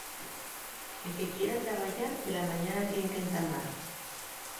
El que quiera trabayar, pela mañana tien qu'entamar.